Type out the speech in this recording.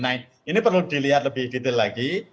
nah ini perlu dilihat lebih detail lagi